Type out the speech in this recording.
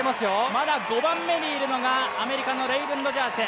まだ５番目にいるのがアメリカのレイブン・ロジャース。